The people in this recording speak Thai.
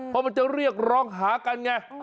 เพราะมันจะเรียกร้องหากันไง